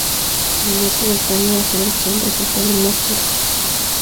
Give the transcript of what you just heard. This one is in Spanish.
En el norte de Australia las hembras pueden presentar un morfo rufo.